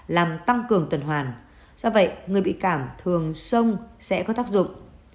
làm tăng cường tuần hoàn do vậy người bị cảm thường sông sẽ có tác dụng